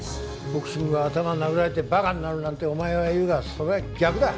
ボクシングは頭を殴られて馬鹿になるなんてお前は言うがそれは逆だ。